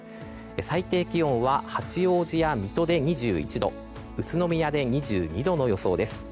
最低気温は八王子や水戸で２１度宇都宮で２２度の予想です。